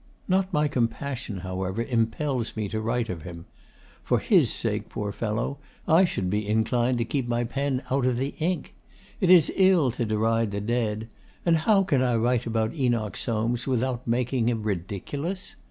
Not my compassion, however, impels me to write of him. For his sake, poor fellow, I should be inclined to keep my pen out of the ink. It is ill to deride the dead. And how can I write about Enoch Soames without making him ridiculous?